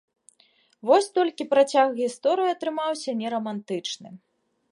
Вось толькі працяг гісторыі атрымаўся не рамантычны.